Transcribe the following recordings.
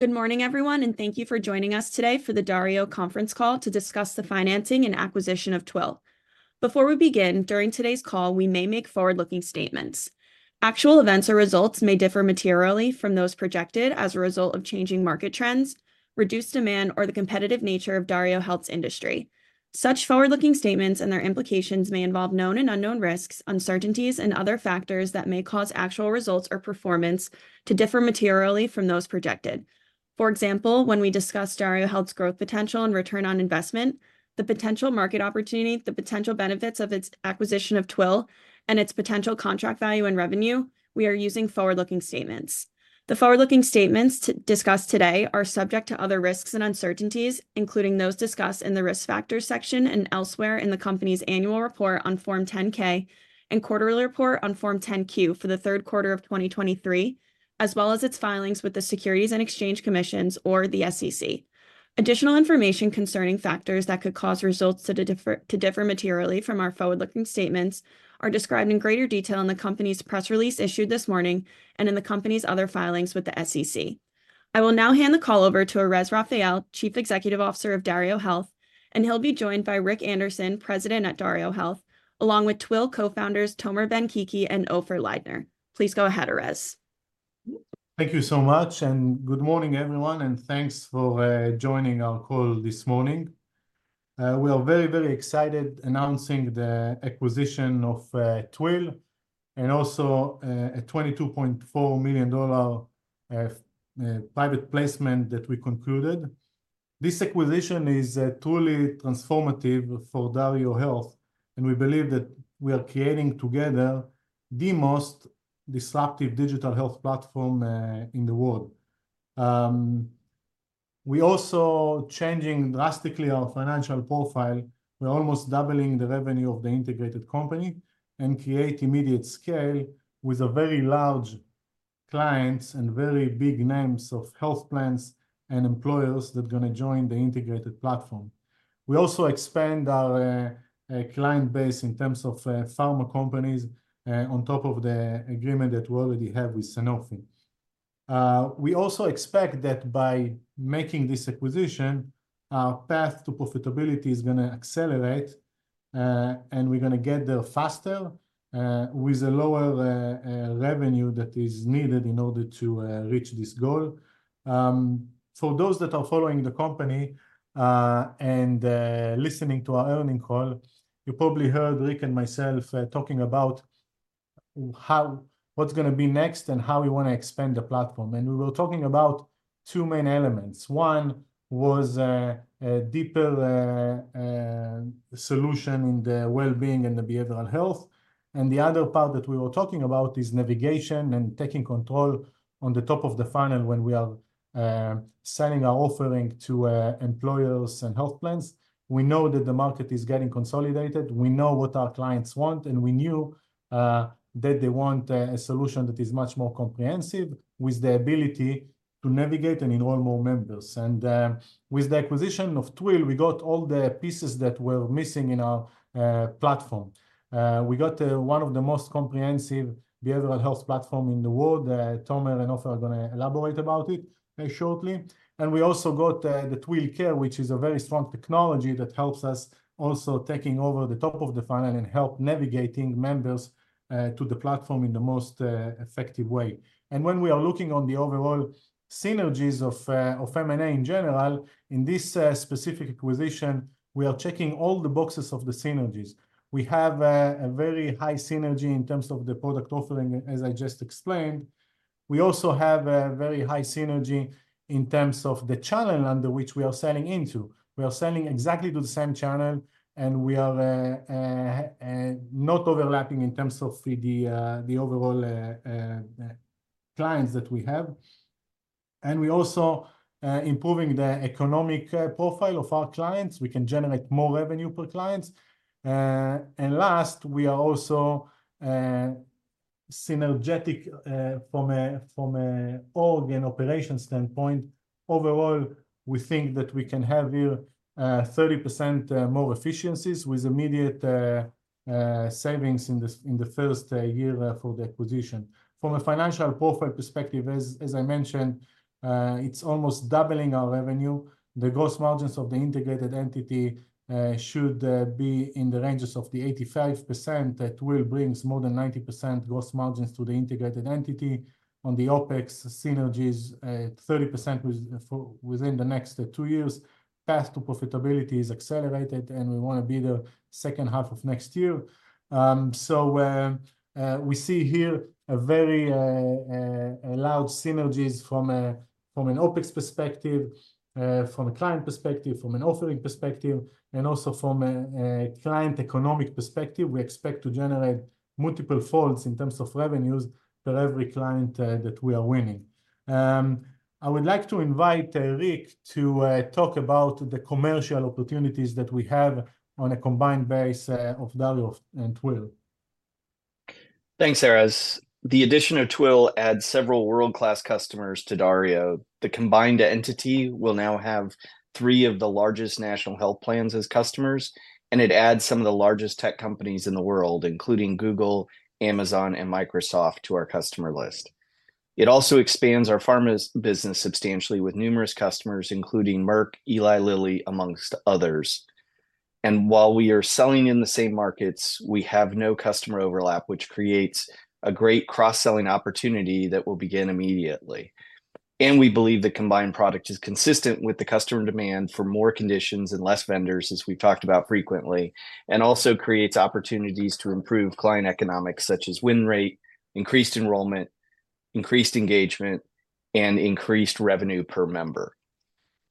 Good morning, everyone, and thank you for joining us today for the DarioHealth conference call to discuss the financing and acquisition of Twill. Before we begin, during today's call, we may make forward-looking statements. Actual events or results may differ materially from those projected as a result of changing market trends, reduced demand, or the competitive nature of DarioHealth's industry. Such forward-looking statements and their implications may involve known and unknown risks, uncertainties, and other factors that may cause actual results or performance to differ materially from those projected. For example, when we discuss DarioHealth's growth potential and return on investment, the potential market opportunity, the potential benefits of its acquisition of Twill, and its potential contract value and revenue, we are using forward-looking statements. The forward-looking statements discussed today are subject to other risks and uncertainties, including those discussed in the Risk Factors section and elsewhere in the company's annual report on Form 10-K and quarterly report on Form 10-Q for the Q3 of 2023, as well as its filings with the Securities and Exchange Commission, or the SEC. Additional information concerning factors that could cause results to differ materially from our forward-looking statements are described in greater detail in the company's press release issued this morning and in the company's other filings with the SEC. I will now hand the call over to Erez Raphael, Chief Executive Officer of DarioHealth, and he'll be joined by Rick Anderson, President at DarioHealth, along with Twill co-founders, Tomer Ben-Kiki and Ofer Leidner. Please go ahead, Erez. Thank you so much, and good morning, everyone, and thanks for joining our call this morning. We are very, very excited announcing the acquisition of Twill and also a $22.4 million private placement that we concluded. This acquisition is truly transformative for DarioHealth, and we believe that we are creating together the most disruptive digital health platform in the world. We also changing drastically our financial profile. We're almost doubling the revenue of the integrated company and create immediate scale with a very large clients and very big names of health plans and employers that are gonna join the integrated platform. We also expand our client base in terms of pharma companies on top of the agreement that we already have with Sanofi. We also expect that by making this acquisition, our path to profitability is gonna accelerate, and we're gonna get there faster, with a lower revenue that is needed in order to reach this goal. So those that are following the company, and listening to our earnings call, you probably heard Rick and myself talking about how—what's gonna be next and how we wanna expand the platform. And we were talking about two main elements. One was a deeper solution in the well-being and the behavioral health. And the other part that we were talking about is navigation and taking control on the top of the funnel when we are selling our offering to employers and health plans. We know that the market is getting consolidated, we know what our clients want, and we knew that they want a, a solution that is much more comprehensive, with the ability to navigate and enroll more members. And, with the acquisition of Twill, we got all the pieces that were missing in our platform. We got one of the most comprehensive behavioral health platform in the world, Tomer and Ofer are gonna elaborate about it, shortly. And we also got the Twill Care, which is a very strong technology that helps us also taking over the top of the funnel and help navigating members to the platform in the most effective way. And when we are looking on the overall synergies of of M&A in general, in this specific acquisition, we are checking all the boxes of the synergies. We have a very high synergy in terms of the product offering, as I just explained. We also have a very high synergy in terms of the channel under which we are selling into. We are selling exactly to the same channel, and we are not overlapping in terms of the the overall clients that we have. And we also improving the economic profile of our clients. We can generate more revenue per clients. And last, we are also synergetic from a from a org and operation standpoint. Overall, we think that we can have here 30% more efficiencies with immediate savings in the first year for the acquisition. From a financial profile perspective, as I mentioned, it's almost doubling our revenue. The gross margins of the integrated entity should be in the ranges of 85%. That will brings more than 90% gross margins to the integrated entity. On the OpEx synergies, 30% within the next two years. Path to profitability is accelerated, and we wanna be the second half of next year. So, we see here a very allowed synergies from an OpEx perspective, from a client perspective, from an offering perspective, and also from a client economic perspective. We expect to generate multiple folds in terms of revenues for every client that we are winning. I would like to invite Rick to talk about the commercial opportunities that we have on a combined basis of Dario and Twill. Thanks, Erez. The addition of Twill adds several world-class customers to Dario. The combined entity will now have three of the largest national health plans as customers, and it adds some of the largest tech companies in the world, including Google, Amazon, and Microsoft, to our customer list. ... It also expands our pharma business substantially with numerous customers, including Merck, Eli Lilly, among others. And while we are selling in the same markets, we have no customer overlap, which creates a great cross-selling opportunity that will begin immediately. And we believe the combined product is consistent with the customer demand for more conditions and less vendors, as we've talked about frequently, and also creates opportunities to improve client economics, such as win rate, increased enrollment, increased engagement, and increased revenue per member.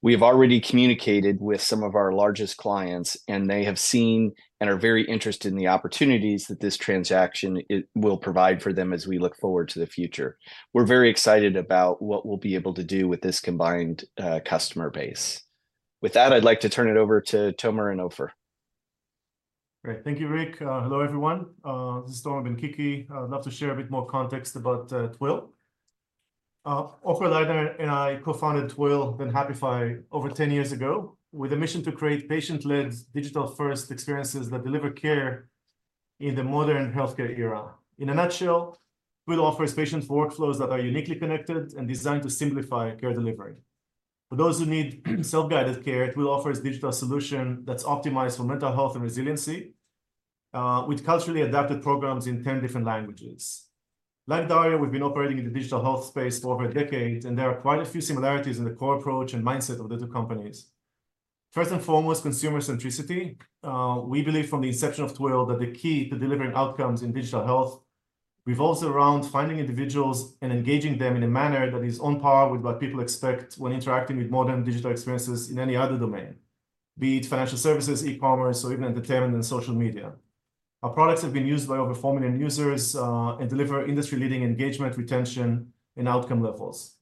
We have already communicated with some of our largest clients, and they have seen and are very interested in the opportunities that this transaction it will provide for them as we look forward to the future. We're very excited about what we'll be able to do with this combined, customer base. With that, I'd like to turn it over to Tomer and Ofer. Great. Thank you, Rick. Hello, everyone. This is Tomer Ben-Kiki. I'd love to share a bit more context about Twill. Ofer Leidner and I co-founded Twill and Happify over 10 years ago with a mission to create patient-led digital-first experiences that deliver care in the modern healthcare era. In a nutshell, Twill offers patients workflows that are uniquely connected and designed to simplify care delivery. For those who need self-guided care, Twill offers digital solution that's optimized for mental health and resiliency, with culturally adapted programs in 10 different languages. Like Dario, we've been operating in the digital health space for over a decade, and there are quite a few similarities in the core approach and mindset of the two companies. First and foremost, consumer centricity. We believe from the inception of Twill that the key to delivering outcomes in digital health revolves around finding individuals and engaging them in a manner that is on par with what people expect when interacting with modern digital experiences in any other domain, be it financial services, e-commerce, or even entertainment and social media. Our products have been used by over 4 million users, and deliver industry-leading engagement, retention, and outcome levels.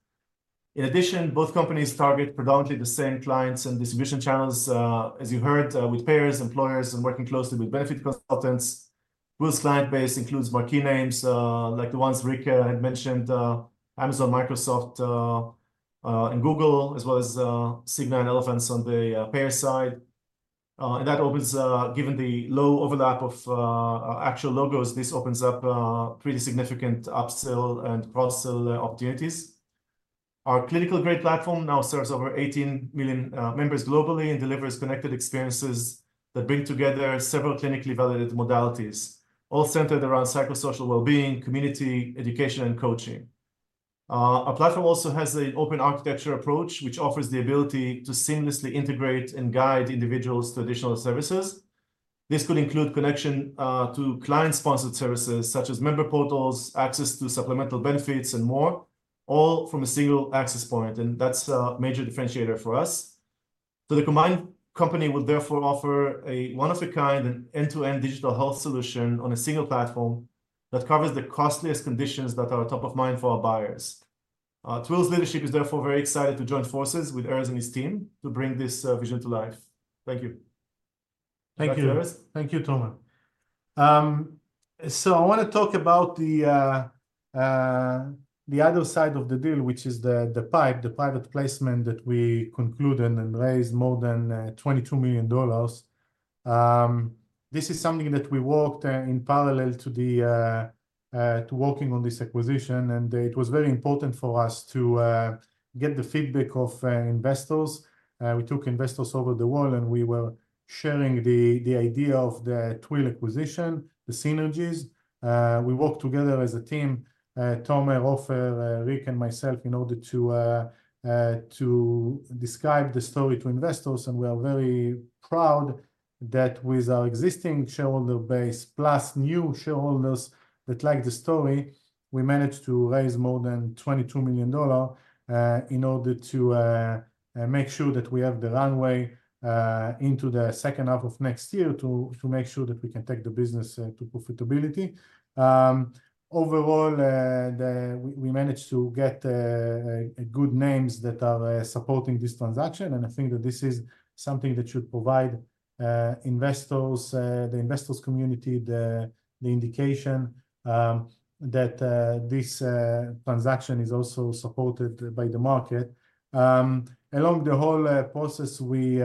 In addition, both companies target predominantly the same clients and distribution channels, as you heard, with payers, employers, and working closely with benefit consultants, Twill's client base includes more key names, like the ones Rick had mentioned, Amazon, Microsoft, and Google, as well as, Cigna and Elevance on the payer side. And that opens, Given the low overlap of actual logos, this opens up pretty significant upsell and cross-sell opportunities. Our clinical-grade platform now serves over 18 million members globally, and delivers connected experiences that bring together several clinically validated modalities, all centered around psychosocial wellbeing, community, education, and coaching. Our platform also has an open architecture approach, which offers the ability to seamlessly integrate and guide individuals to additional services. This could include connection to client-sponsored services, such as member portals, access to supplemental benefits, and more, all from a single access point, and that's a major differentiator for us. So the combined company will therefore offer a one-of-a-kind and end-to-end digital health solution on a single platform that covers the costliest conditions that are top of mind for our buyers. Twill's leadership is therefore very excited to join forces with Erez and his team to bring this vision to life. Thank you. Thank you. Back to Erez. Thank you, Tomer. So I wanna talk about the other side of the deal, which is the PIPE, the private placement that we concluded and raised more than $22 million. This is something that we worked in parallel to working on this acquisition, and it was very important for us to get the feedback of investors. We took investors over the world, and we were sharing the idea of the Twill acquisition, the synergies. We worked together as a team, Tomer, Ofer, Rick, and myself, in order to describe the story to investors. We are very proud that with our existing shareholder base, plus new shareholders that like the story, we managed to raise more than $22 million in order to make sure that we have the runway into the second half of next year to make sure that we can take the business to profitability. Overall, we managed to get a good names that are supporting this transaction, and I think that this is something that should provide investors the investor community the indication that this transaction is also supported by the market. Along the whole process, we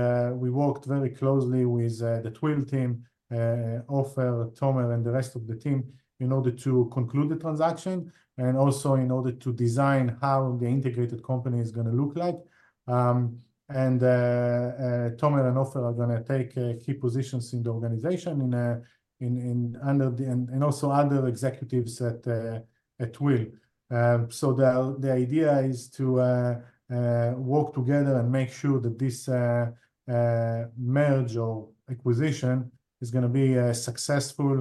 worked very closely with the Twill team, Ofer, Tomer, and the rest of the team, in order to conclude the transaction and also in order to design how the integrated company is gonna look like. Tomer and Ofer are gonna take key positions in the organization and also other executives at Twill. So the idea is to work together and make sure that this merge or acquisition is gonna be successful.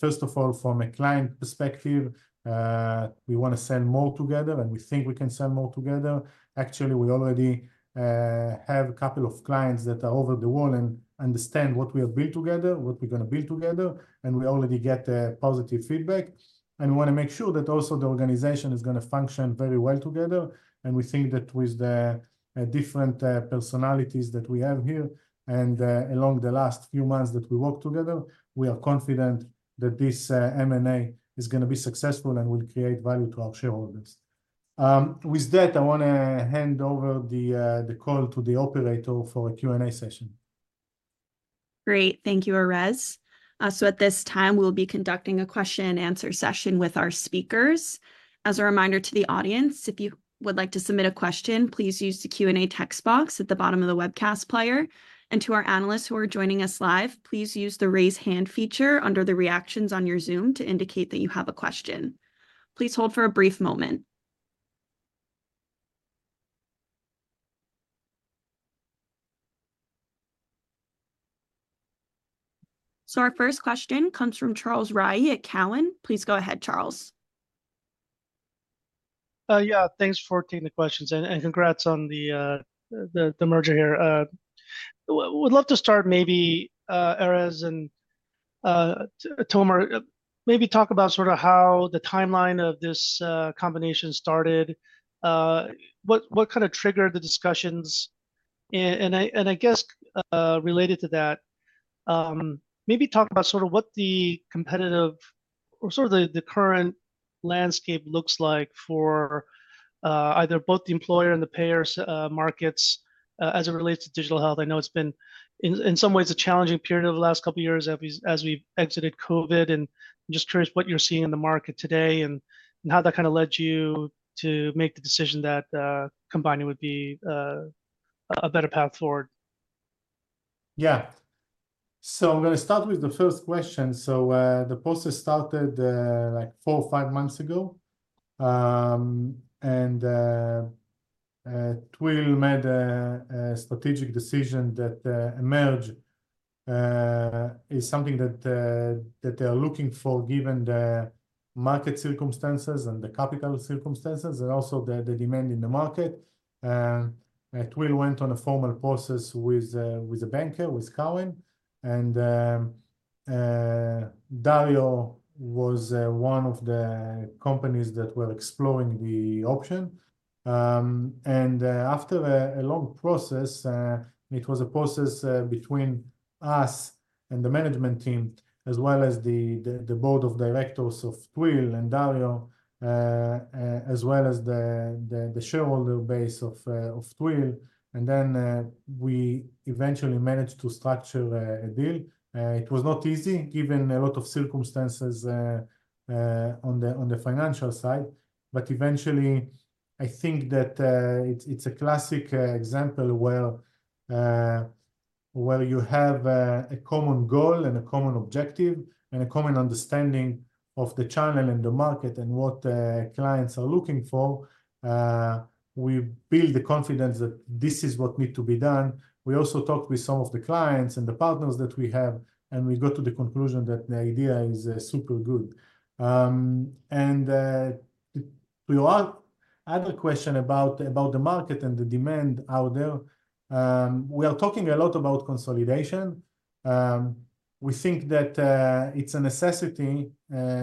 First of all, from a client perspective, we wanna sell more together, and we think we can sell more together. Actually, we already have a couple of clients that are over the world and understand what we have built together, what we're gonna build together, and we already get positive feedback. And we wanna make sure that also the organization is gonna function very well together. And we think that with the different personalities that we have here and along the last few months that we work together, we are confident that this M&A is gonna be successful and will create value to our shareholders. With that, I wanna hand over the call to the operator for a Q&A session.... Great. Thank you, Erez. So at this time, we'll be conducting a question and answer session with our speakers. As a reminder to the audience, if you would like to submit a question, please use the Q&A text box at the bottom of the webcast player. And to our analysts who are joining us live, please use the Raise Hand feature under the Reactions on your Zoom to indicate that you have a question. Please hold for a brief moment. So our first question comes from Charles Rhyee at TD Cowen. Please go ahead, Charles. Yeah, thanks for taking the questions, and congrats on the merger here. Would love to start maybe, Erez and Tomer, maybe talk about sort of how the timeline of this combination started. What kind of triggered the discussions? And I guess, related to that, maybe talk about sort of what the competitive or sort of the current landscape looks like for either both the employer and the payers' markets, as it relates to digital health. I know it's been in some ways a challenging period over the last couple of years as we exited COVID, and I'm just curious what you're seeing in the market today, and how that kind of led you to make the decision that combining would be a better path forward. Yeah. So I'm going to start with the first question. So, the process started, like 4 or 5 months ago. Twill made a strategic decision that a merger is something that they are looking for, given the market circumstances and the capital circumstances, and also the demand in the market. Twill went on a formal process with a banker, with Cowen, and Dario was one of the companies that were exploring the option. After a long process, it was a process between us and the management team, as well as the board of directors of Twill and Dario, as well as the shareholder base of Twill. Then, we eventually managed to structure a deal. It was not easy, given a lot of circumstances on the financial side, but eventually, I think that it's a classic example where you have a common goal and a common objective, and a common understanding of the channel and the market and what clients are looking for. We build the confidence that this is what need to be done. We also talked with some of the clients and the partners that we have, and we got to the conclusion that the idea is super good. To your other question about the market and the demand out there, we are talking a lot about consolidation. We think that it's a necessity,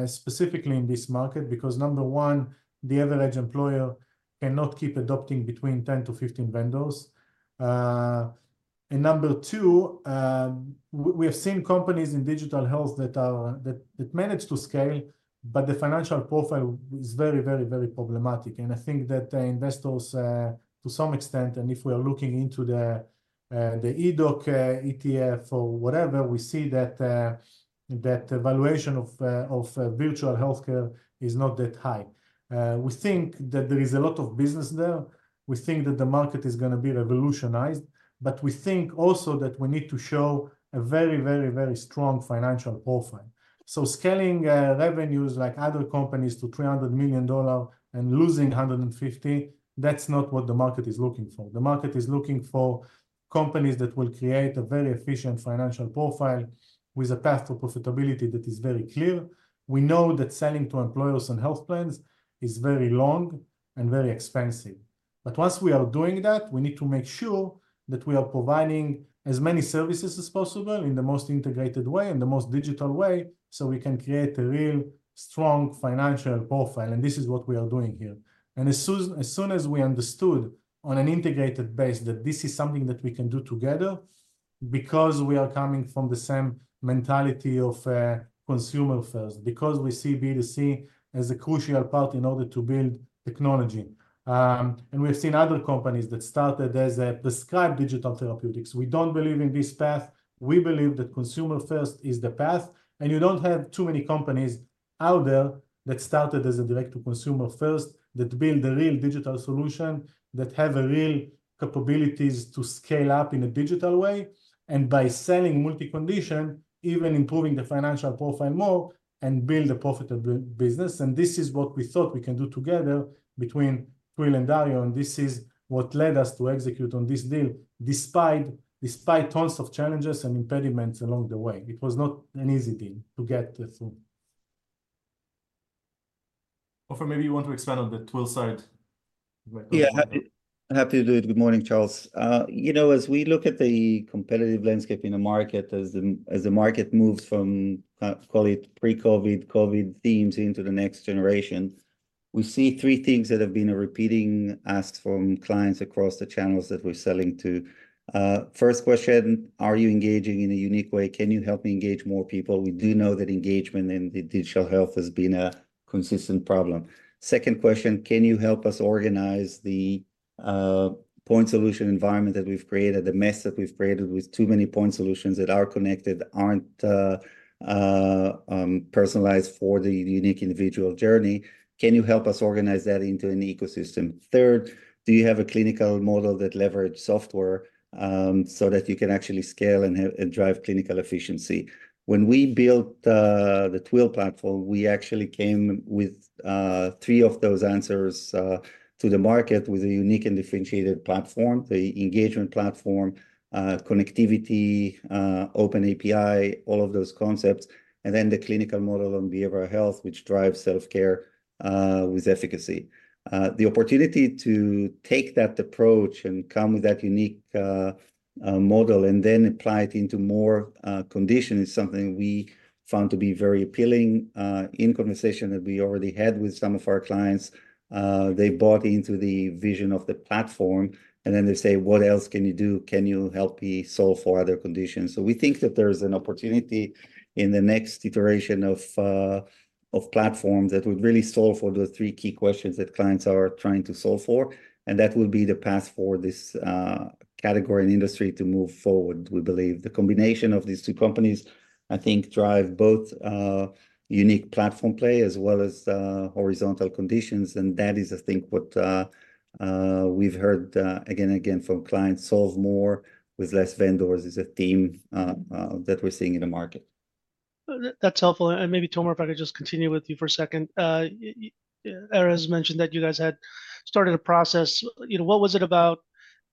specifically in this market, because number one, the average employer cannot keep adopting between 10-15 vendors. And number two, we have seen companies in digital health that are, that, that managed to scale, but the financial profile is very, very, very problematic. And I think that the investors, to some extent, and if we are looking into the EDOC ETF or whatever, we see that the valuation of virtual healthcare is not that high. We think that there is a lot of business there. We think that the market is going to be revolutionized, but we think also that we need to show a very, very, very strong financial profile. So scaling, revenues like other companies to $300 million and losing $150 million, that's not what the market is looking for. The market is looking for companies that will create a very efficient financial profile with a path to profitability that is very clear. We know that selling to employers and health plans is very long and very expensive, but once we are doing that, we need to make sure that we are providing as many services as possible in the most integrated way and the most digital way, so we can create a real strong financial profile. And this is what we are doing here. As soon as we understood on an integrated basis that this is something that we can do together because we are coming from the same mentality of consumer first, because we see B2C as a crucial part in order to build technology. We've seen other companies that started as a prescribed digital therapeutics. We don't believe in this path. We believe that consumer first is the path, and you don't have too many companies out there that started as a direct to consumer first, that build a real digital solution, that have a real capabilities to scale up in a digital way. And by selling multi-condition, even improving the financial profile more and build a profitable business. This is what we thought we can do together between Twill and Dario, and this is what led us to execute on this deal, despite, despite tons of challenges and impediments along the way. It was not an easy deal to get this through. Ofer, maybe you want to expand on the Twill side? Yeah, happy to do it. Good morning, Charles. You know, as we look at the competitive landscape in the market, as the market moves from call it pre-COVID, COVID themes into the next generation, we see three things that have been a repeating ask from clients across the channels that we're selling to. First question: Are you engaging in a unique way? Can you help me engage more people? We do know that engagement in the digital health has been a consistent problem. Second question: Can you help us organize the-... point solution environment that we've created, the mess that we've created with too many point solutions that are connected, aren't personalized for the unique individual journey. Can you help us organize that into an ecosystem? Third, do you have a clinical model that leverages software so that you can actually scale and drive clinical efficiency? When we built the Twill platform, we actually came with three of those answers to the market with a unique and differentiated platform, the engagement platform, connectivity, open API, all of those concepts, and then the clinical model on behavioral health, which drives self-care with efficacy. The opportunity to take that approach and come with that unique model, and then apply it into more conditions is something we found to be very appealing. In conversation that we already had with some of our clients, they bought into the vision of the platform, and then they say: "What else can you do? Can you help me solve for other conditions?" So we think that there's an opportunity in the next iteration of platforms that would really solve for the three key questions that clients are trying to solve for, and that will be the path for this category and industry to move forward. We believe the combination of these two companies, I think, drive both unique platform play, as well as horizontal conditions. And that is, I think, what we've heard again and again from clients. Solve more with less vendors is a theme that we're seeing in the market. That's helpful, and maybe, Tomer, if I could just continue with you for a second. Erez mentioned that you guys had started a process. You know, what was it about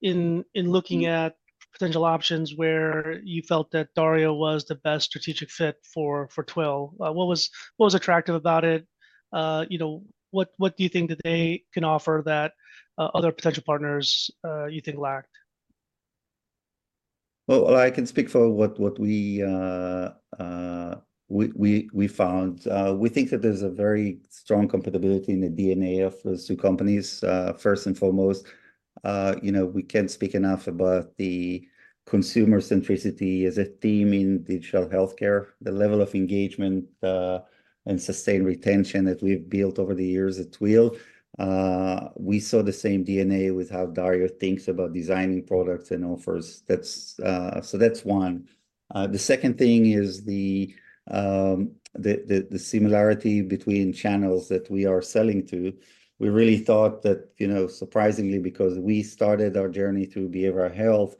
in looking at potential options where you felt that Dario was the best strategic fit for Twill? What was attractive about it? You know, what do you think that they can offer that other potential partners you think lacked? Well, I can speak for what we found. We think that there's a very strong compatibility in the DNA of those two companies. First and foremost, you know, we can't speak enough about the consumer centricity as a theme in digital healthcare. The level of engagement and sustained retention that we've built over the years at Twill, we saw the same DNA with how Dario thinks about designing products and offers. That's. So that's one. The second thing is the similarity between channels that we are selling to. We really thought that, you know, surprisingly, because we started our journey through behavioral health,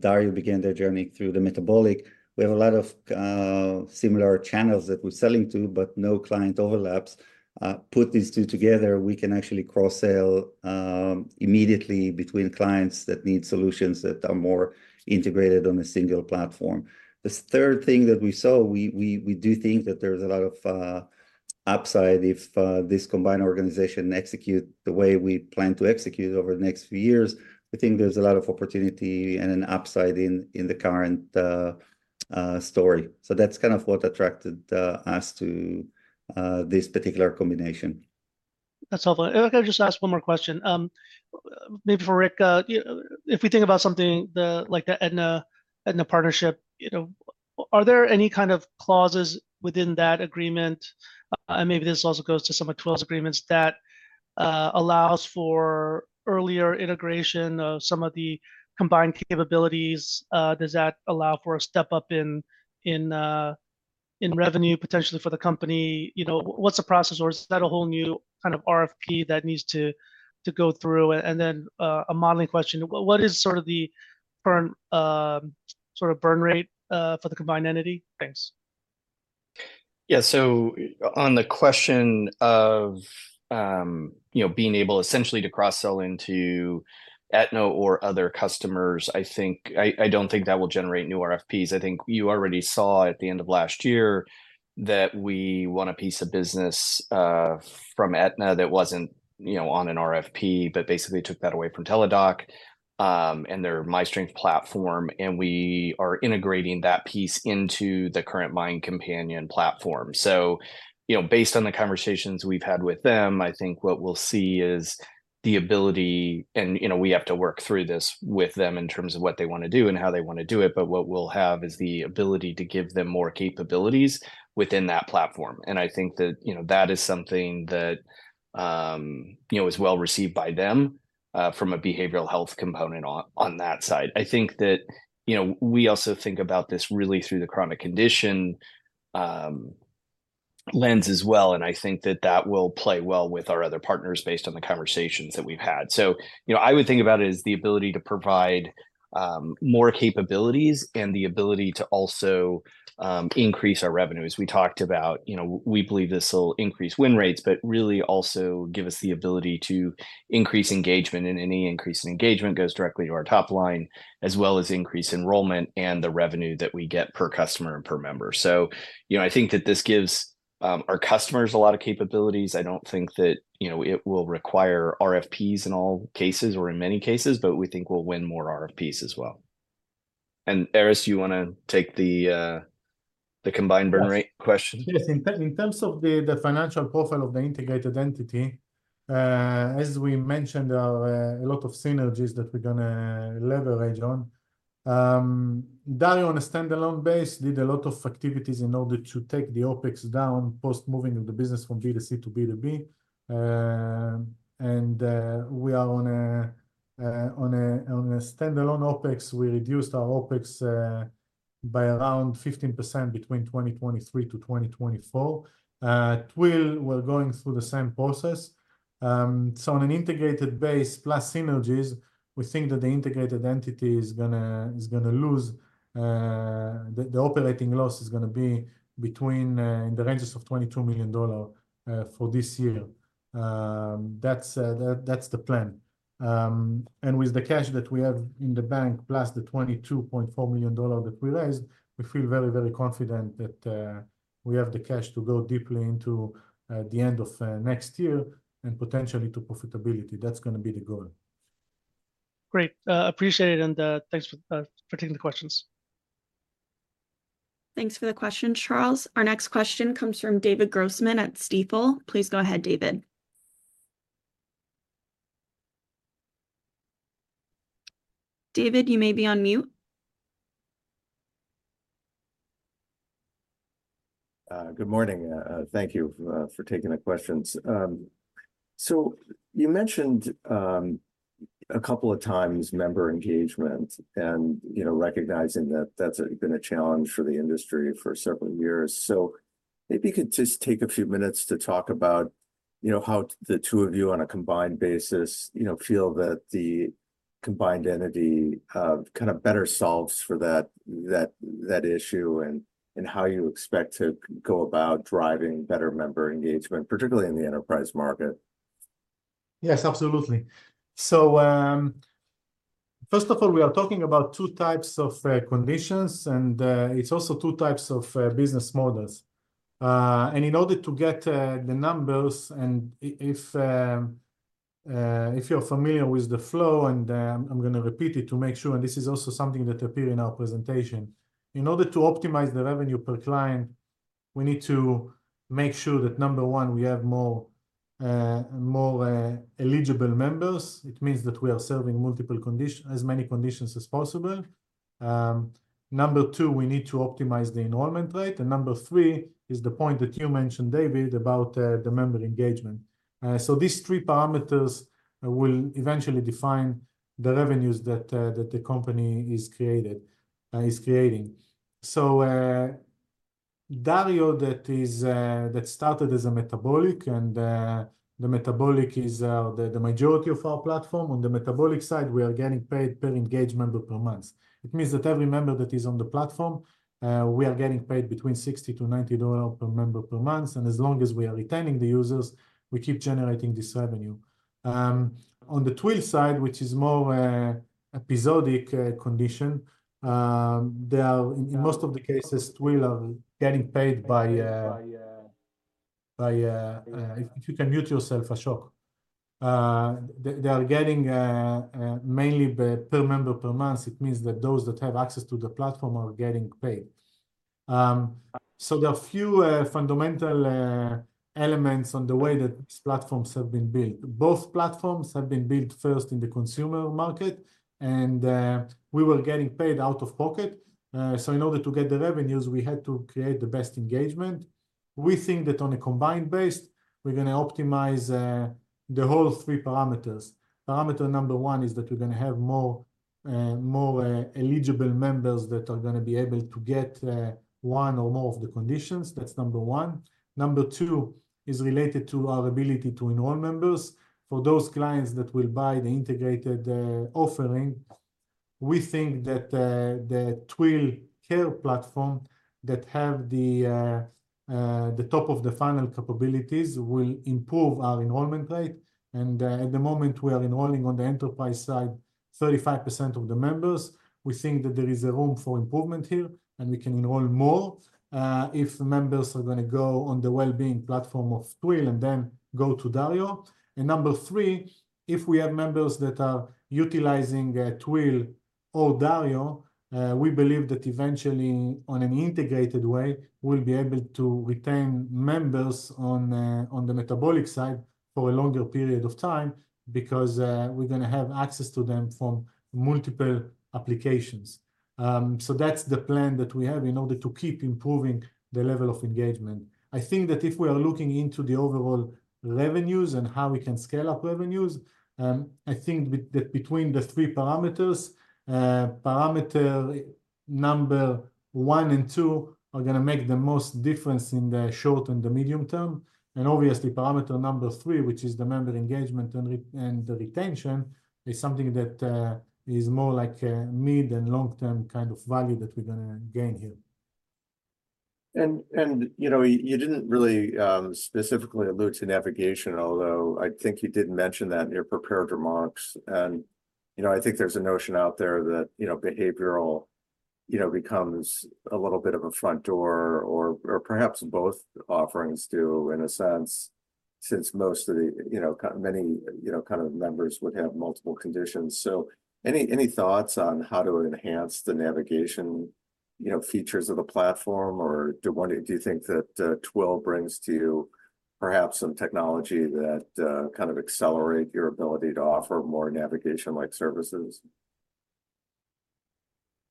Dario began their journey through the metabolic. We have a lot of similar channels that we're selling to, but no client overlaps. Put these two together, we can actually cross-sell immediately between clients that need solutions that are more integrated on a single platform. The third thing that we saw, we do think that there's a lot of upside if this combined organization execute the way we plan to execute over the next few years. We think there's a lot of opportunity and an upside in the current story. So that's kind of what attracted us to this particular combination. That's helpful. If I could just ask one more question, maybe for Rick. If we think about something like the Aetna partnership, you know, are there any kind of clauses within that agreement, and maybe this also goes to some of Twill's agreements, that allows for earlier integration of some of the combined capabilities? Does that allow for a step-up in revenue, potentially, for the company? You know, what's the process, or is that a whole new kind of RFP that needs to go through? Then, a modeling question, what is sort of the burn, sort of burn rate, for the combined entity? Thanks. Yeah. So on the question of, you know, being able essentially to cross-sell into Aetna or other customers, I think... I don't think that will generate new RFPs. I think you already saw at the end of last year that we won a piece of business from Aetna that wasn't, you know, on an RFP, but basically took that away from Teladoc and their MyStrength platform, and we are integrating that piece into the current MindCompanion platform. So, you know, based on the conversations we've had with them, I think what we'll see is the ability, and, you know, we have to work through this with them in terms of what they want to do and how they want to do it, but what we'll have is the ability to give them more capabilities within that platform. And I think that, you know, that is something that, you know, is well-received by them, from a behavioral health component on, on that side. I think that, you know, we also think about this really through the chronic condition, lens as well, and I think that that will play well with our other partners, based on the conversations that we've had. So, you know, I would think about it as the ability to provide, more capabilities and the ability to also, increase our revenue. As we talked about, you know, we believe this will increase win rates, but really also give us the ability to increase engagement, and any increase in engagement goes directly to our top line, as well as increase enrollment and the revenue that we get per customer and per member. So, you know, I think that this gives our customers a lot of capabilities. I don't think that, you know, it will require RFPs in all cases or in many cases, but we think we'll win more RFPs as well. And, Erez, you want to take the combined burn rate question? Yes. In terms of the financial profile of the integrated entity, as we mentioned, there are a lot of synergies that we're gonna leverage on. Dario, on a standalone basis, did a lot of activities in order to take the OpEx down post moving of the business from B2C to B2B. And we are on a standalone OpEx. We reduced our OpEx by around 15% between 2023 to 2024. Twill, we're going through the same process. So on an integrated basis plus synergies, we think that the integrated entity is gonna lose. The operating loss is gonna be between in the ranges of $22 million for this year. That's the plan. With the cash that we have in the bank, plus the $22.4 million that we raised, we feel very, very confident that we have the cash to go deeply into the end of next year, and potentially to profitability. That's gonna be the goal. Great. Appreciate it, and for taking the questions. Thanks for the question, Charles. Our next question comes from David Grossman at Stifel. Please go ahead, David. David, you may be on mute. Good morning. Thank you for taking the questions. So you mentioned a couple of times member engagement and, you know, recognizing that that's been a challenge for the industry for several years. So maybe you could just take a few minutes to talk about, you know, how the two of you, on a combined basis, you know, feel that the combined entity kind of better solves for that issue, and how you expect to go about driving better member engagement, particularly in the enterprise market. Yes, absolutely. So, first of all, we are talking about two types of conditions, and it's also two types of business models. And in order to get the numbers, and if you're familiar with the flow, and I'm gonna repeat it to make sure, and this is also something that appear in our presentation. In order to optimize the revenue per client, we need to make sure that number one, we have more eligible members. It means that we are serving multiple, as many conditions as possible. Number two, we need to optimize the enrollment rate, and number three is the point that you mentioned, David, about the member engagement. So these three parameters will eventually define the revenues that the company is creating. So, Dario, that is, that started as a metabolic, and, the metabolic is, the majority of our platform. On the metabolic side, we are getting paid per engagement or per month. It means that every member that is on the platform, we are getting paid between $60-$90 per member per month, and as long as we are retaining the users, we keep generating this revenue. On the Twill side, which is more, episodic, condition, there are, in most of the cases, Twill are getting paid by, by... If you can mute yourself, Ashok. They are getting, mainly by per member, per month. It means that those that have access to the platform are getting paid. So there are a few fundamental elements on the way that platforms have been built. Both platforms have been built first in the consumer market, and we were getting paid out of pocket, so in order to get the revenues, we had to create the best engagement. We think that on a combined base, we're gonna optimize the whole three parameters. Parameter number one is that we're gonna have more eligible members that are gonna be able to get one or more of the conditions. That's number one. Number two is related to our ability to enroll members. For those clients that will buy the integrated offering, we think that the Twill Care platform, that have the top-of-the-funnel capabilities, will improve our enrollment rate. And, at the moment, we are enrolling on the enterprise side, 35% of the members. We think that there is a room for improvement here, and we can enroll more, if members are gonna go on the wellbeing platform of Twill and then go to Dario. And number three, if we have members that are utilizing, Twill or Dario, we believe that eventually, on an integrated way, we'll be able to retain members on, on the metabolic side for a longer period of time, because, we're gonna have access to them from multiple applications. So that's the plan that we have in order to keep improving the level of engagement. I think that if we are looking into the overall revenues and how we can scale up revenues, I think between the three parameters, parameter number one and two are gonna make the most difference in the short and the medium term. And obviously, parameter number three, which is the member engagement and retention, is something that is more like a mid and long-term kind of value that we're gonna gain here. You know, you didn't really specifically allude to navigation, although I think you did mention that in your prepared remarks. You know, I think there's a notion out there that, you know, behavioral becomes a little bit of a front door, or perhaps both offerings do, in a sense, since most of the... you know, many, you know, kind of, members would have multiple conditions. So any thoughts on how to enhance the navigation? You know, features of the platform, or do you think that Twill brings to you perhaps some technology that kind of accelerate your ability to offer more navigation-like services?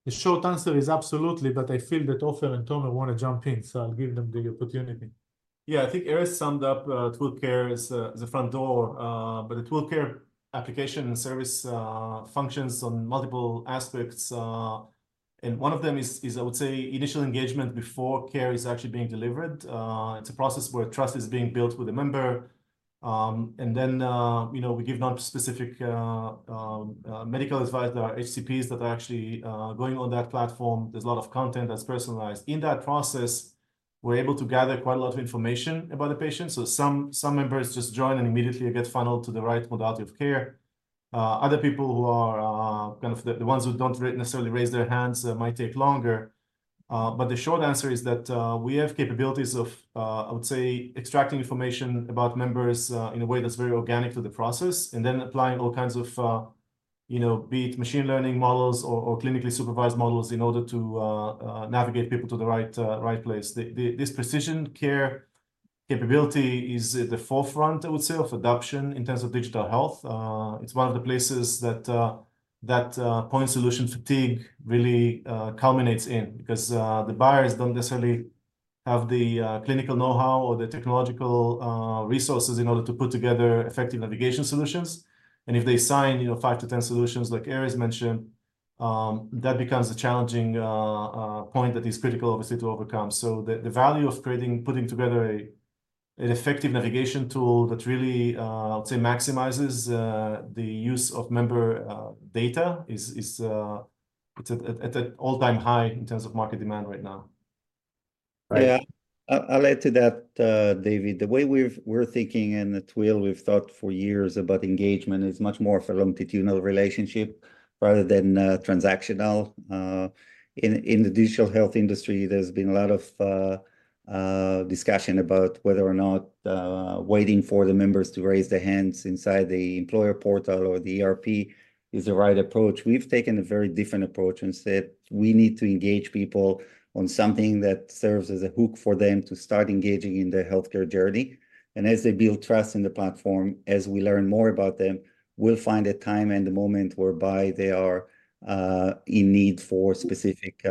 The short answer is absolutely, but I feel that Ofer and Tomer want to jump in, so I'll give them the opportunity. Yeah, I think Erez summed up Twill Care as a front door. But the Twill Care application and service functions on multiple aspects, and one of them is I would say initial engagement before care is actually being delivered. It's a process where trust is being built with a member. And then, you know, we give non-specific medical advice. There are HCPs that are actually going on that platform. There's a lot of content that's personalized. In that process, we're able to gather quite a lot of information about the patient. So some members just join and immediately get funneled to the right modality of care. Other people who are kind of the ones who don't necessarily raise their hands might take longer. But the short answer is that we have capabilities of, I would say, extracting information about members in a way that's very organic to the process, and then applying all kinds of, you know, be it machine learning models or clinically supervised models in order to navigate people to the right, right place. This precision care capability is at the forefront, I would say, of adoption in terms of digital health. It's one of the places that point solution fatigue really culminates in, because the buyers don't necessarily have the clinical know-how or the technological resources in order to put together effective navigation solutions. And if they sign, you know, 5-10 solutions, like Erez mentioned, that becomes a challenging point that is critical, obviously, to overcome. So the value of creating, putting together an effective navigation tool that really I would say maximizes the use of member data is it's at an all-time high in terms of market demand right now. Yeah. I'll add to that, David. The way we're thinking in Twill, we've thought for years about engagement, is much more of a longitudinal relationship rather than transactional. In the digital health industry, there's been a lot of discussion about whether or not waiting for the members to raise their hands inside the employer portal or the EAP is the right approach. We've taken a very different approach, and said, we need to engage people on something that serves as a hook for them to start engaging in their healthcare journey. And as they build trust in the platform, as we learn more about them, we'll find a time and a moment whereby they are in need for specific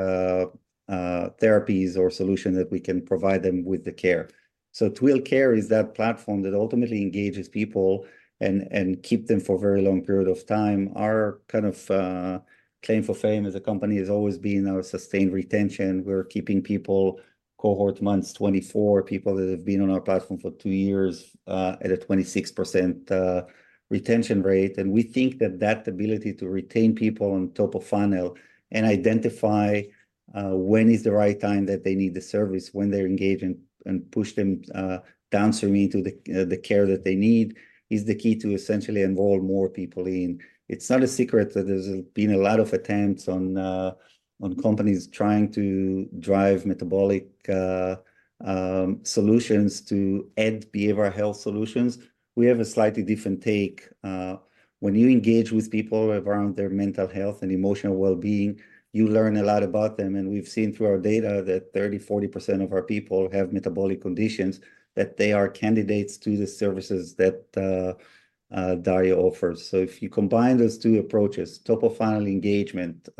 therapies or solution that we can provide them with the care. So Twill Care is that platform that ultimately engages people, and keep them for a very long period of time. Our kind of, claim for fame as a company has always been our sustained retention. We're keeping people cohort months, 24 people that have been on our platform for 2 years, at a 26% retention rate. And we think that that ability to retain people on top of funnel and identify, when is the right time that they need the service, when they're engaged, and push them, downstream into the, the care that they need, is the key to essentially enroll more people in. It's not a secret that there's been a lot of attempts on, on companies trying to drive metabolic, solutions to add behavioral health solutions. We have a slightly different take. When you engage with people around their mental health and emotional wellbeing, you learn a lot about them, and we've seen through our data that 30-40% of our people have metabolic conditions, that they are candidates to the services that Dario offers. So if you combine those two approaches, top-of-funnel engagement,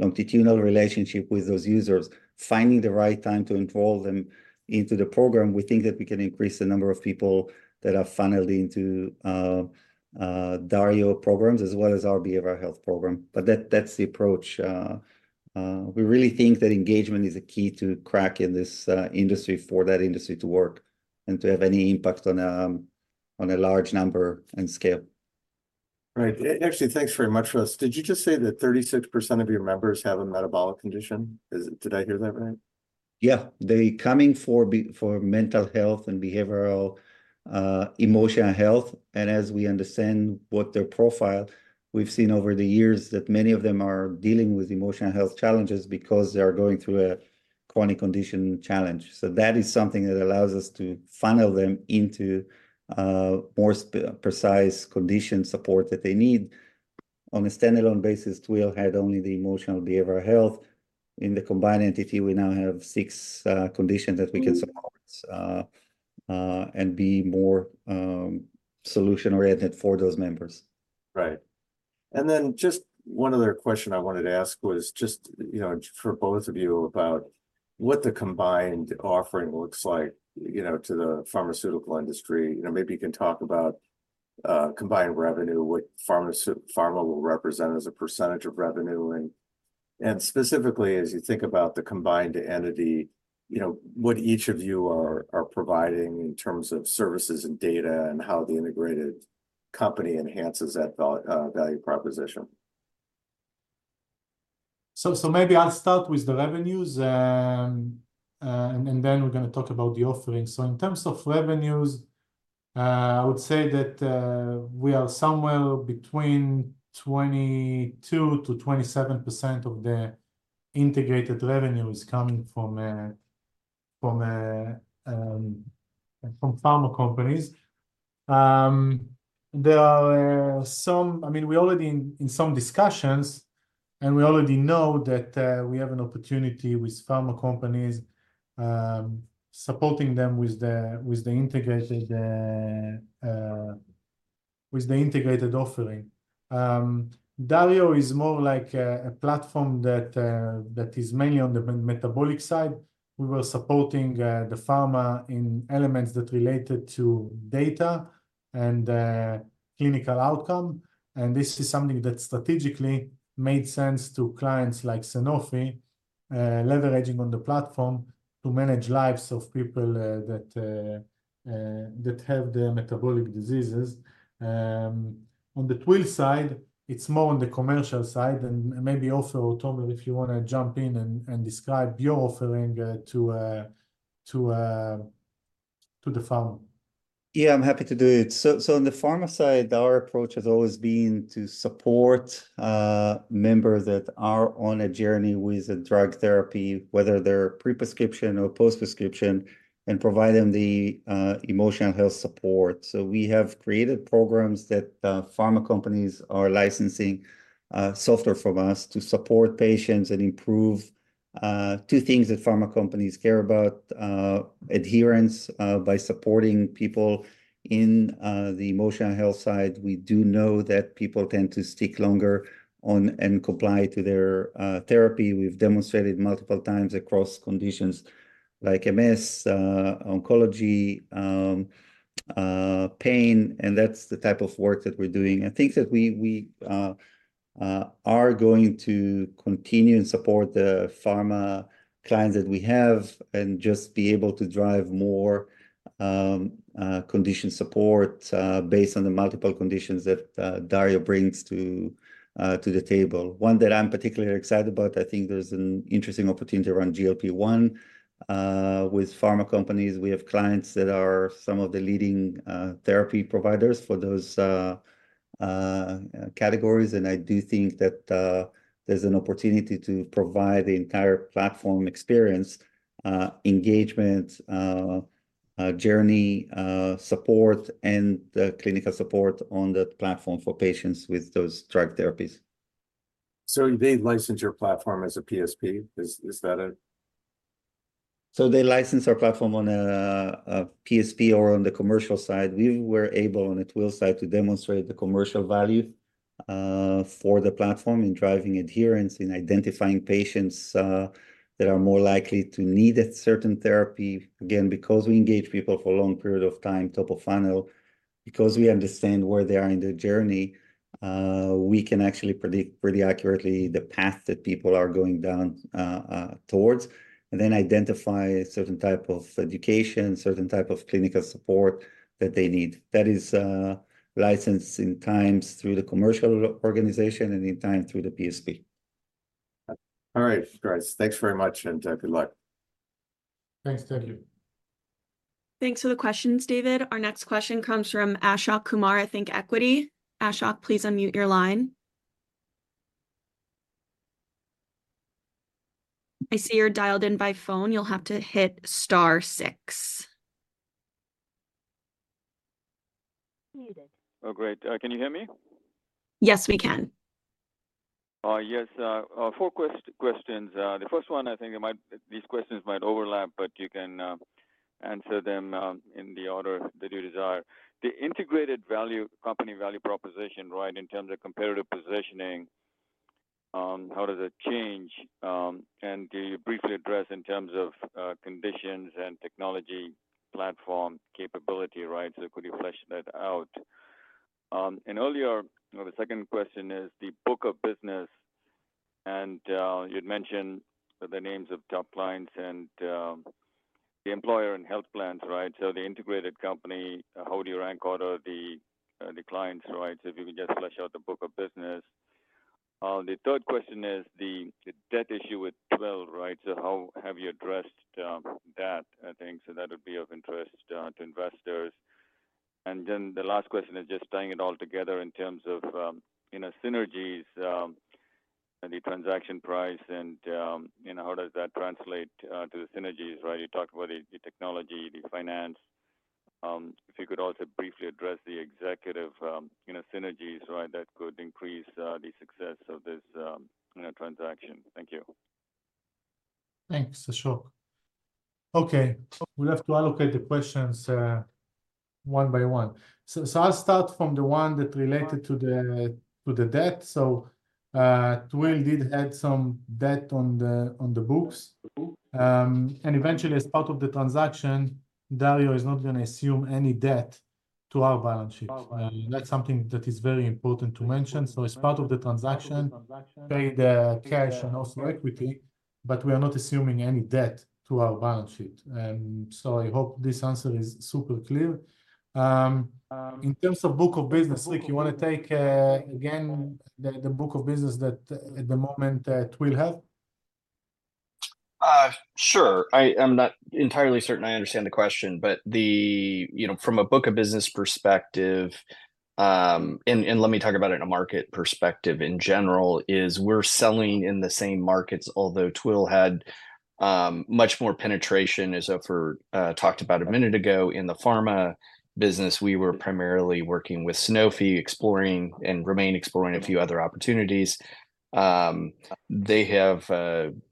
longitudinal relationship with those users, finding the right time to enroll them into the program, we think that we can increase the number of people that are funneled into Dario programs, as well as our behavioral health program. But that, that's the approach. We really think that engagement is a key to crack in this industry, for that industry to work and to have any impact on a large number and scale. Right. Actually, thanks very much for this. Did you just say that 36% of your members have a metabolic condition? Is it...? Did I hear that right? Yeah. They're coming for behavioral, emotional health, and as we understand what their profile, we've seen over the years that many of them are dealing with emotional health challenges because they are going through a chronic condition challenge. So that is something that allows us to funnel them into more precise condition support that they need. On a standalone basis, Twill had only the emotional behavioral health. In the combined entity, we now have six conditions that we can support and be more solution-oriented for those members. Right. And then just one other question I wanted to ask was just, you know, for both of you, about what the combined offering looks like, you know, to the pharmaceutical industry. You know, maybe you can talk about, combined revenue, what pharma will represent as a percentage of revenue, and specifically, as you think about the combined entity, you know, what each of you are providing in terms of services and data, and how the integrated company enhances that value proposition. So maybe I'll start with the revenues, and then we're gonna talk about the offering. In terms of revenues, I would say that we are somewhere between 22%-27% of the integrated revenue is coming from pharma companies. There are some, I mean, we already in some discussions, and we already know that we have an opportunity with pharma companies, supporting them with the integrated offering. Dario is more like a platform that is mainly on the metabolic side. We were supporting the pharma in elements that related to data and clinical outcome, and this is something that strategically made sense to clients like Sanofi leveraging on the platform to manage lives of people that have the metabolic diseases. On the Twill side, it's more on the commercial side, and maybe also, Tomer, if you wanna jump in and describe your offering to the pharma. Yeah, I'm happy to do it. So on the pharma side, our approach has always been to support members that are on a journey with a drug therapy, whether they're pre-prescription or post-prescription, and provide them the emotional health support. So we have created programs that pharma companies are licensing software from us to support patients and improve two things that pharma companies care about, adherence by supporting people in the emotional health side. We do know that people tend to stick longer on and comply to their therapy. We've demonstrated multiple times across conditions like MS, oncology, pain, and that's the type of work that we're doing. I think that we are going to continue and support the pharma clients that we have and just be able to drive more condition support based on the multiple conditions that Dario brings to the table. One that I'm particularly excited about, I think there's an interesting opportunity around GLP-1 with pharma companies. We have clients that are some of the leading therapy providers for those categories, and I do think that there's an opportunity to provide the entire platform experience, engagement, journey support, and the clinical support on the platform for patients with those drug therapies. So they license your platform as a PSP, is that it? So they license our platform on a PSP or on the commercial side. We were able, on the Twill side, to demonstrate the commercial value for the platform in driving adherence, in identifying patients that are more likely to need a certain therapy. Again, because we engage people for a long period of time, top of funnel, because we understand where they are in their journey, we can actually predict pretty accurately the path that people are going down, towards, and then identify certain type of education, certain type of clinical support that they need. That is, licensed in times through the commercial organization and in time through the PSP. All right, guys. Thanks very much, and good luck. Thanks. Thank you. Thanks for the questions, David. Our next question comes from Ashok Kumar at ThinkEquity. Ashok, please unmute your line. I see you're dialed in by phone; you'll have to hit star six. Unmuted. Oh, great. Can you hear me? Yes, we can. Yes, four questions. The first one, I think it might... These questions might overlap, but you can answer them in the order that you desire. The integrated value company value proposition, right? In terms of competitive positioning, how does it change? And can you briefly address in terms of conditions and technology platform capability, right? So could you flesh that out? And earlier, the second question is the book of business, and you'd mentioned the names of top clients and the employer and health plans, right? So the integrated company, how do you rank order the clients, right? So if you could just flesh out the book of business. The third question is the debt issue with Twill, right? So how have you addressed that? I think so that would be of interest to investors. And then the last question is just tying it all together in terms of, you know, synergies, and the transaction price, and, you know, how does that translate to the synergies, right? You talked about the technology, the finance. If you could also briefly address the executive, you know, synergies, right, that could increase the success of this, you know, transaction. Thank you. Thanks, Ashok. Okay, we have to allocate the questions, one by one. So, I'll start from the one that related to the, to the debt. So, Twill did add some debt on the, on the books, and eventually, as part of the transaction, Dario is not gonna assume any debt to our balance sheets. And that's something that is very important to mention. So as part of the transaction, pay the cash and also equity, but we are not assuming any debt to our balance sheet. So I hope this answer is super clear. In terms of book of business, Nick, you want to take again, the book of business that at the moment that Twill have? Sure. I am not entirely certain I understand the question, but the... You know, from a book of business perspective and let me talk about it in a market perspective. In general, we're selling in the same markets, although Twill had much more penetration, as Ofer talked about a minute ago. In the pharma business, we were primarily working with Sanofi, exploring, and remain exploring a few other opportunities. They have,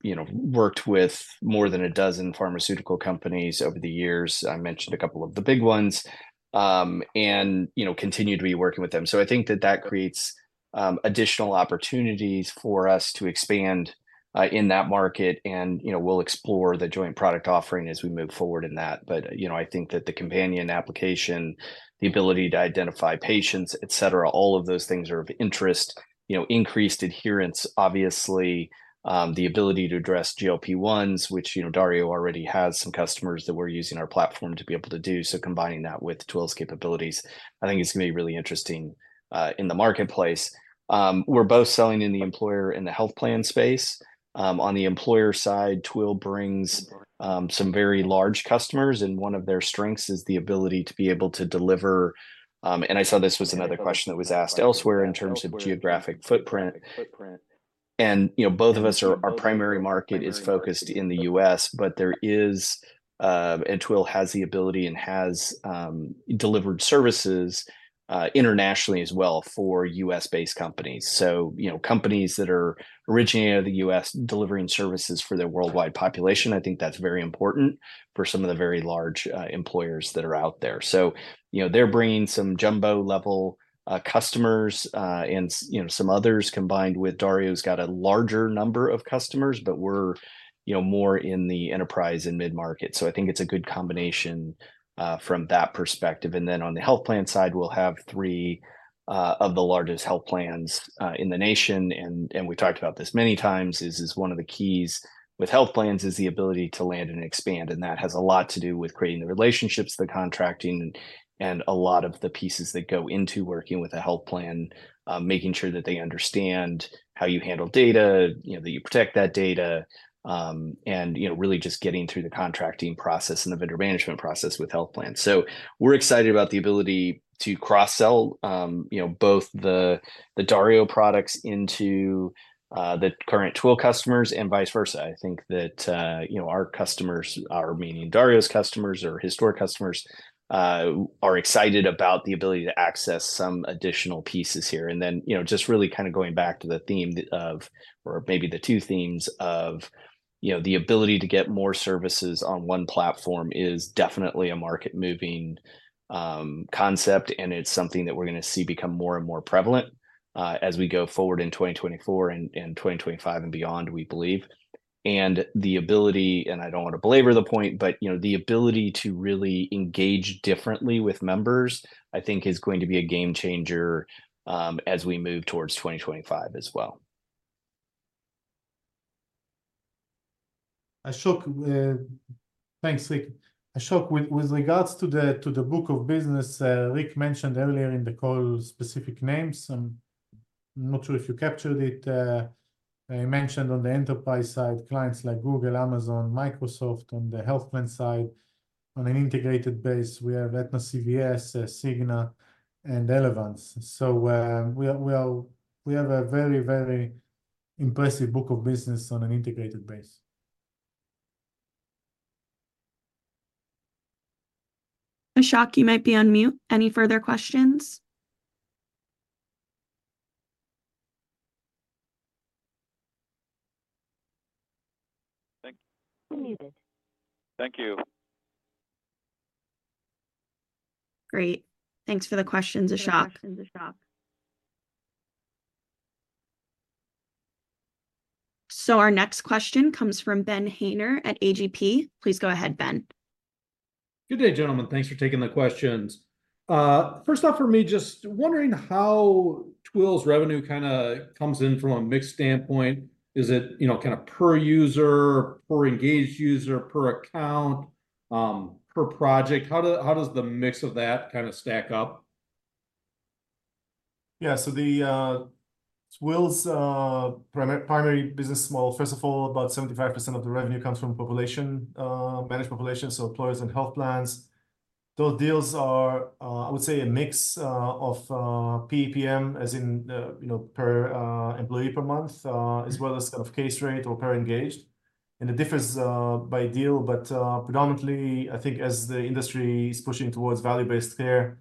you know, worked with more than a dozen pharmaceutical companies over the years. I mentioned a couple of the big ones. And, you know, continue to be working with them. So I think that that creates additional opportunities for us to expand in that market, and, you know, we'll explore the joint product offering as we move forward in that. But, you know, I think that the companion application, the ability to identify patients, et cetera, all of those things are of interest. You know, increased adherence, obviously, the ability to address GLP-1s, which, you know, Dario already has some customers that we're using our platform to be able to do. So combining that with Twill's capabilities, I think it's going to be really interesting in the marketplace. We're both selling in the employer and the health plan space. On the employer side, Twill brings some very large customers, and one of their strengths is the ability to be able to deliver... And I saw this was another question that was asked elsewhere in terms of geographic footprint. And, you know, our primary market is focused in the U.S., but there is, and Twill has the ability and has delivered services internationally as well for U.S.-based companies. So, you know, companies that are originating out of the U.S., delivering services for their worldwide population, I think that's very important for some of the very large employers that are out there. So, you know, they're bringing some jumbo-level customers, and you know, some others, combined with Dario's got a larger number of customers, but we're, you know, more in the enterprise and mid-market. So I think it's a good combination from that perspective. And then on the health plan side, we'll have three of the largest health plans in the nation. And we've talked about this many times, one of the keys with health plans is the ability to land and expand, and that has a lot to do with creating the relationships, the contracting, and a lot of the pieces that go into working with a health plan. Making sure that they understand how you handle data, you know, that you protect that data, and, you know, really just getting through the contracting process and the vendor management process with health plans. So we're excited about the ability to cross-sell, you know, both the Dario products into the current Twill customers, and vice versa. I think that, you know, our customers, or, meaning Dario's customers or historic customers, are excited about the ability to access some additional pieces here. And then, you know, just really kind of going back to the theme of, or maybe the two themes of, you know, the ability to get more services on one platform is definitely a market-moving concept, and it's something that we're gonna see become more and more prevalent as we go forward in 2024 and 2025 and beyond, we believe. The ability, and I don't want to belabor the point, but, you know, the ability to really engage differently with members, I think is going to be a game changer as we move towards 2025 as well. Ashok, thanks, Rick. Ashok, with, with regards to the, to the book of business, Rick mentioned earlier in the call specific names. I'm not sure if you captured it. He mentioned on the enterprise side, clients like Google, Amazon, Microsoft. On the health plan side, on an integrated base, we have Aetna CVS, Cigna, and Elevance. So, we, we are, we have a very, very impressive book of business on an integrated base. Ashok, you might be on mute. Any further questions? Unmuted. Thank you. Great. Thanks for the questions, Ashok. So our next question comes from Ben Haynor at AGP. Please go ahead, Ben. Good day, gentlemen. Thanks for taking the questions. First off, for me, just wondering how Twill's revenue kind of comes in from a mix standpoint. Is it, you know, kind of per user, per engaged user, per account, per project? How does the mix of that kind of stack up? Yeah, so Twill's primary business model, first of all, about 75% of the revenue comes from population managed population, so employers and health plans. Those deals are, I would say a mix of PEPM, as in, you know, per employee per month, as well as of case rate or per engaged. And it differs by deal, but predominantly, I think as the industry is pushing towards value-based care,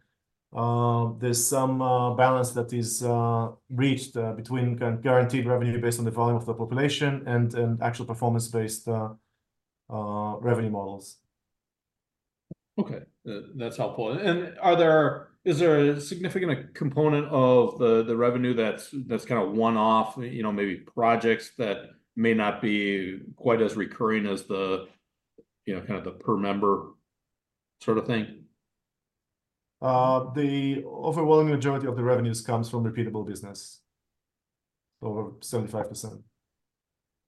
there's some balance that is reached between guaranteed revenue based on the volume of the population and actual performance-based revenue models. Okay, that's helpful. Is there a significant component of the revenue that's kind of one-off, you know, maybe projects that may not be quite as recurring as the, you know, kind of the per member sort of thing? The overwhelming majority of the revenues comes from repeatable business, over 75%.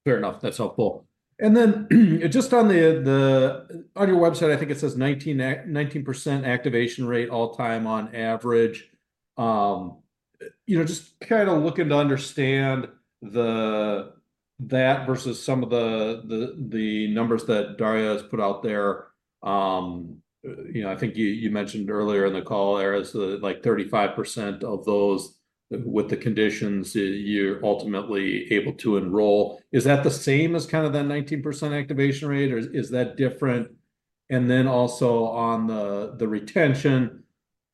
Fair enough, that's helpful. Then, just on the... On your website, I think it says 19% activation rate all time on average... you know, just kind of looking to understand that versus some of the numbers that Dario has put out there. You know, I think you mentioned earlier in the call, Erez, like 35% of those with the conditions that you're ultimately able to enroll. Is that the same as kind of the 19% activation rate, or is that different? Then also on the retention,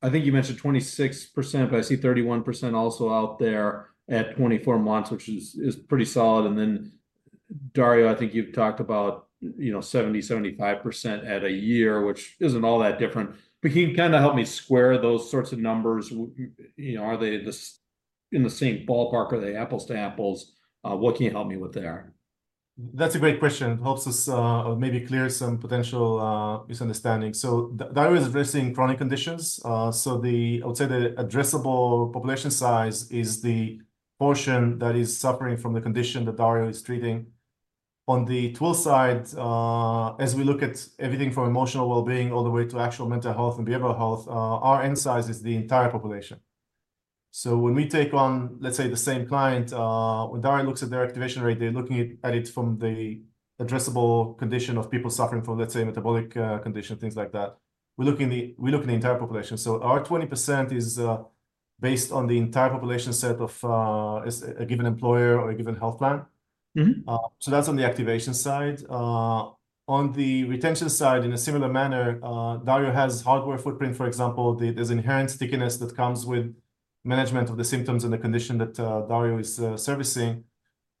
I think you mentioned 26%, but I see 31% also out there at 24 months, which is pretty solid. Then, Dario, I think you've talked about, you know, 70-75% at a year, which isn't all that different. But can you kind of help me square those sorts of numbers? You know, are they in the same ballpark? Are they apples to apples? What can you help me with there? That's a great question. Helps us maybe clear some potential misunderstanding. So Dario is addressing chronic conditions. So the, I would say, the addressable population size is the portion that is suffering from the condition that Dario is treating. On the Twill side, as we look at everything from emotional wellbeing all the way to actual mental health and behavioral health, our end size is the entire population. So when we take on, let's say, the same client, when Dario looks at their activation rate, they're looking at it from the addressable condition of people suffering from, let's say, metabolic condition, things like that. We look in the, we look in the entire population. So our 20% is based on the entire population set of a given employer or a given health plan. So that's on the activation side. On the retention side, in a similar manner, Dario has hardware footprint, for example. There's inherent stickiness that comes with management of the symptoms and the condition that Dario is servicing.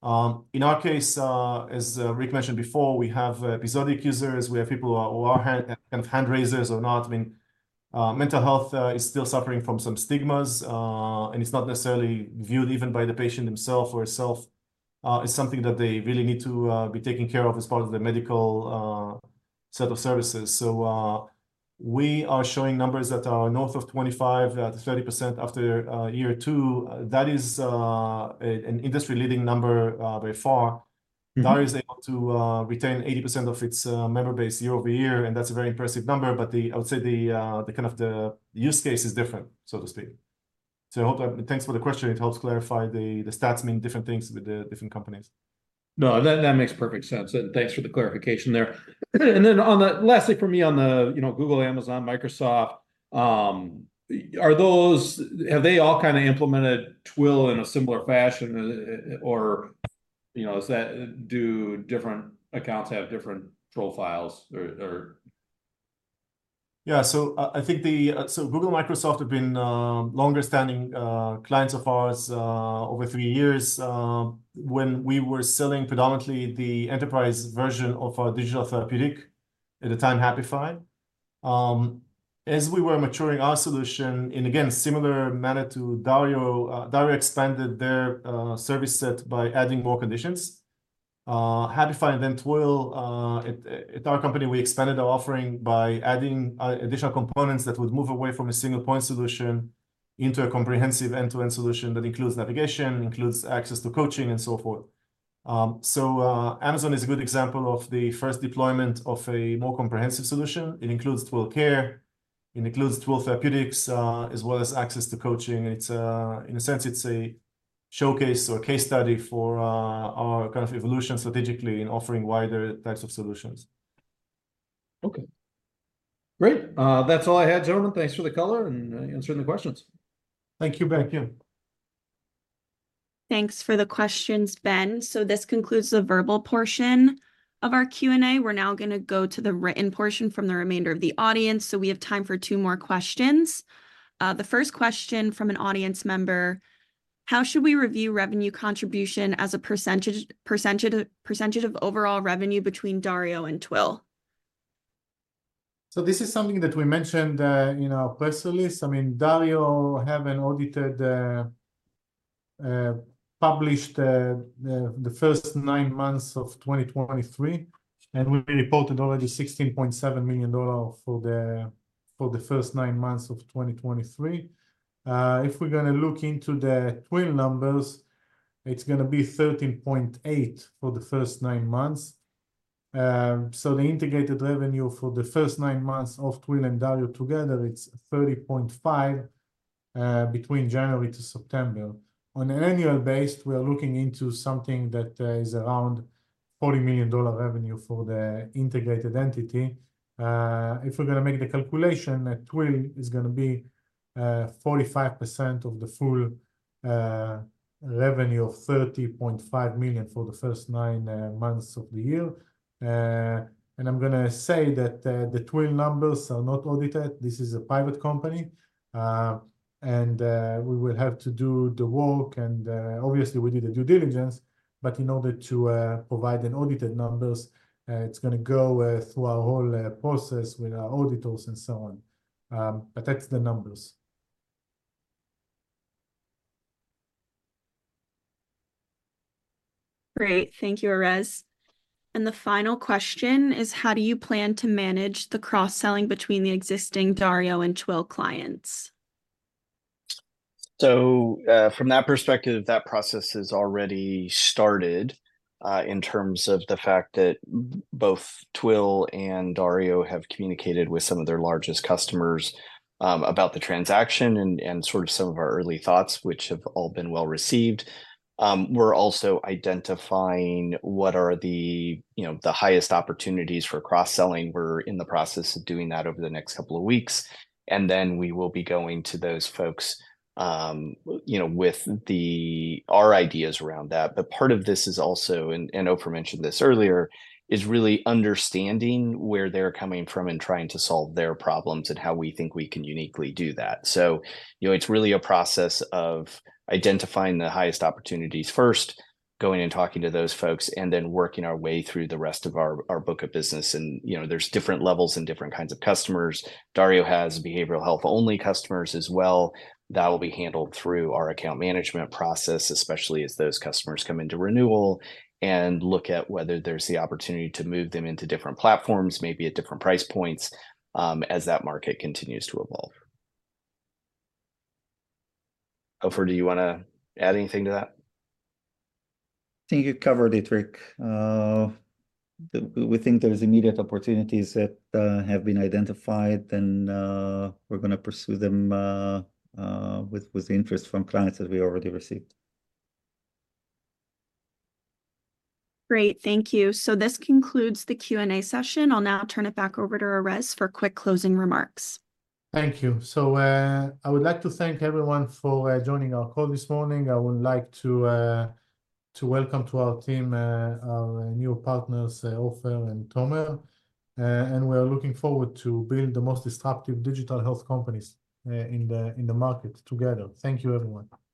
In our case, as Rick mentioned before, we have episodic users. We have people who are kind of hand raisers or not. I mean, mental health is still suffering from some stigmas, and it's not necessarily viewed even by the patient himself or itself as something that they really need to be taking care of as part of the medical set of services. So we are showing numbers that are north of 25-30% after year two. That is an industry-leading number by far. Dario is able to retain 80% of its member base year-over-year, and that's a very impressive number. But I would say the kind of use case is different, so to speak. So I hope that... Thanks for the question. It helps clarify the stats mean different things with the different companies. No, that, that makes perfect sense, and thanks for the clarification there. And then lastly for me, on the, you know, Google, Amazon, Microsoft, are those- have they all kind of implemented Twill in a similar fashion, or, you know, is that- do different accounts have different profiles or, or? Yeah. So Google and Microsoft have been longer standing clients of ours over three years when we were selling predominantly the enterprise version of our digital therapeutic, at the time, Happify. As we were maturing our solution, and again, similar manner to Dario, Dario expanded their service set by adding more conditions. Happify, and then Twill, at our company, we expanded our offering by adding additional components that would move away from a single-point solution into a comprehensive end-to-end solution that includes navigation, includes access to coaching, and so forth. So Amazon is a good example of the first deployment of a more comprehensive solution. It includes Twill Care, it includes Twill Therapeutics, as well as access to coaching. It's, in a sense, it's a showcase or case study for our kind of evolution strategically in offering wider types of solutions. Okay. Great, that's all I had, gentlemen. Thanks for the color and answering the questions. Thank you back. Yeah. Thanks for the questions, Ben. This concludes the verbal portion of our Q&A. We're now gonna go to the written portion from the remainder of the audience, so we have time for two more questions. The first question from an audience member: How should we review revenue contribution as a percentage, percentage, percentage of overall revenue between Dario and Twill? So this is something that we mentioned, you know, personally. So I mean, Dario have an audited published the first nine months of 2023, and we reported already $16.7 million for the first nine months of 2023. If we're gonna look into the Twill numbers, it's gonna be $13.8 million for the first nine months. So the integrated revenue for the first nine months of Twill and Dario together, it's $30.5 million between January to September. On an annual basis, we are looking into something that is around $40 million revenue for the integrated entity. If we're gonna make the calculation, that Twill is gonna be 45% of the full revenue of $30.5 million for the first nine months of the year. And I'm gonna say that, the Twill numbers are not audited. This is a private company. And, we will have to do the work, and, obviously, we did the due diligence. But in order to, provide an audited numbers, it's gonna go, through our whole, process with our auditors and so on. But that's the numbers. Great. Thank you, Erez. The final question is: How do you plan to manage the cross-selling between the existing Dario and Twill clients? So, from that perspective, that process has already started, in terms of the fact that both Twill and Dario have communicated with some of their largest customers, about the transaction and, and sort of some of our early thoughts, which have all been well received. We're also identifying what are the, you know, the highest opportunities for cross-selling. We're in the process of doing that over the next couple of weeks, and then we will be going to those folks, you know, with our ideas around that. But part of this is also, and, and Ofer mentioned this earlier, is really understanding where they're coming from, and trying to solve their problems, and how we think we can uniquely do that. So, you know, it's really a process of identifying the highest opportunities first, going and talking to those folks, and then working our way through the rest of our, our book of business. And, you know, there's different levels and different kinds of customers. Dario has behavioral health-only customers as well. That will be handled through our account management process, especially as those customers come into renewal, and look at whether there's the opportunity to move them into different platforms, maybe at different price points, as that market continues to evolve. Ofer, do you wanna add anything to that? I think you covered it, Rick. We think there is immediate opportunities that have been identified, and we're gonna pursue them with interest from clients that we already received. Great, thank you. So this concludes the Q&A session. I'll now turn it back over to Erez for quick closing remarks. Thank you. So, I would like to thank everyone for joining our call this morning. I would like to welcome to our team our new partners, Ofer and Tomer, and we are looking forward to building the most disruptive digital health companies in the market together. Thank you, everyone.